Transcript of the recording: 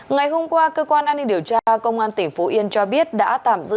ngày hôm qua cơ quan an ninh điều tra công an tp yên cho biết đã tạm giữ